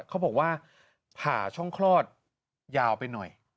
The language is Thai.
เขาบอกว่าผ่าช่องคลอดยาวไปหน่อย